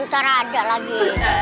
ntar ada lagi